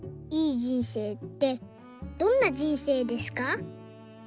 いい人生ってどんな人生ですか？」。